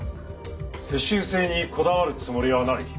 世襲制にこだわるつもりはない。